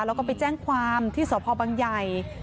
แล้วก็ไปแจ้งความที่สพบังใหญ่